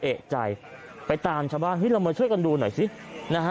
เอกใจไปตามชาวบ้านเฮ้ยเรามาช่วยกันดูหน่อยสินะฮะ